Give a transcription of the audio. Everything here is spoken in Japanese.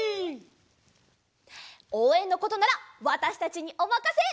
おうえんのことならわたしたちにおまかせ！